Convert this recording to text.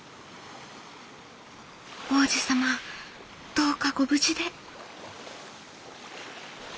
「王子様どうかご無事で」。